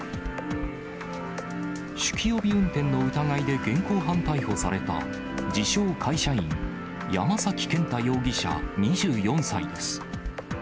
酒気帯び運転の疑いで現行犯逮捕された、自称会社員、山崎健太容疑者２４歳です。